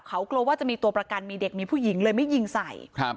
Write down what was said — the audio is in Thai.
เขากลัวว่าจะมีตัวประกันมีเด็กมีผู้หญิงเลยไม่ยิงใส่